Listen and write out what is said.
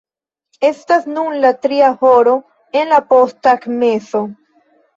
Estas nun la tria horo en la posttagmezo.